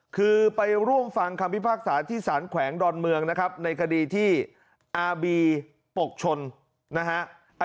คือไปร่วมฟังคำพิพากษาที่สารแขวงดอนเมืองนะครับในคดีที่อาบีปกชนนะฮะ